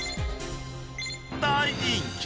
［大人気］